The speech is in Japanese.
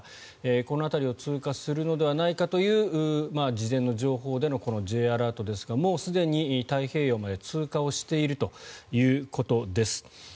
この辺りを通過するのではないかという事前の情報でのＪアラートですがもうすでに太平洋まで通過しているということです。